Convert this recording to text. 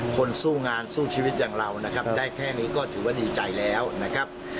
คนสู้งานสู้ชีวิตอย่างเรานะครับได้แค่นี้ก็ถือว่าดีใจแล้วนะครับ